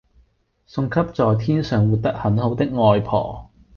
送給在天上活得很好的外婆